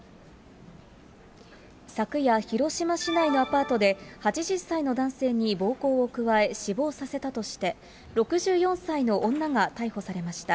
昨夜広島市内のアパートで８０歳の男性に暴行を加え、死亡させたとして、６４歳の女が逮捕されました。